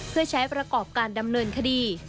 เพื่อใช้ประกอบการดำเนินคดี